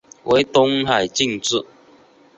为东海郡治。